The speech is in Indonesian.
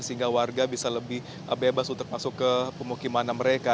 sehingga warga bisa lebih bebas untuk masuk ke pemukiman mereka